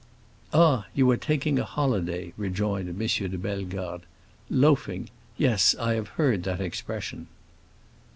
"Ah, you are taking a holiday," rejoined M. de Bellegarde. "'Loafing.' Yes, I have heard that expression."